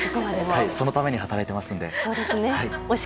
そのために働いてますので。